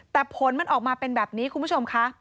แต่ผลมันออกมาเป็นแบบนี้คุณผู้ชมค่ะ